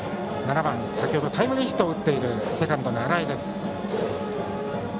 ７番、先ほどタイムリーヒットのセカンドの荒江です。